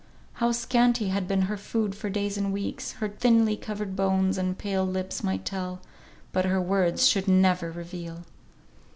How scanty had been her food for days and weeks, her thinly covered bones and pale lips might tell, but her words should never reveal!